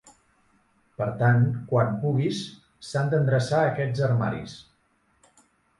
Per tant, quan puguis, s'han d'endreçar aquests armaris.